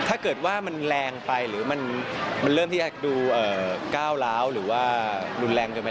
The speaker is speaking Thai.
ถ้าเกิดว่ามันแรงไปหรือมันเริ่มที่ดูก้าวร้าวหรือว่ารุนแรงเกินไป